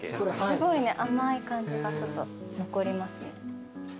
すごいね甘い感じがちょっと残りますね。